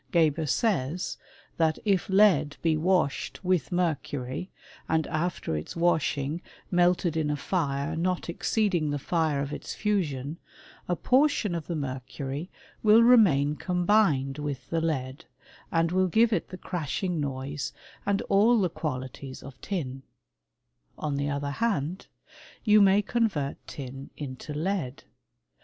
* Geber says, that if lead be washed with mercury, and after its washing melted in a fire not exceeding the fire of its fusion, a portion of the mer cury will remain combined with the lead, and will give it the crashing noise and all the qualities of tin,^ On the other hand, you may convert tin into lead.